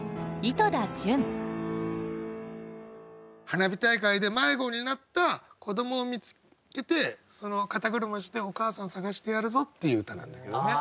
花火大会で迷子になった子どもを見つけて肩車してお母さん捜してやるぞっていう歌なんだけどね。